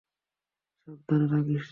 সাবধান থাকিস রে!